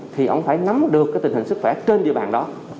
thì ông phải nắm được tình hình sức khỏe trên địa bàn đó